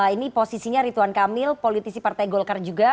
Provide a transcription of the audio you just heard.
ini posisinya rituan kamil politisi partai golkar juga